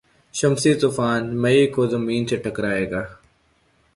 شمسی طوفان مئی کو زمین سے ٹکرائے گا